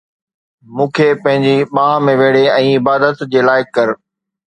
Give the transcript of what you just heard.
مون کي پنهنجي ٻانهن ۾ ويڙهي ۽ عبادت جي لائق ڪر